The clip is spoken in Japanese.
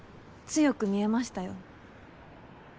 強く見えましたよ。